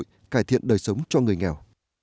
để làm an sinh xã hội cải thiện đời sống cho người nghèo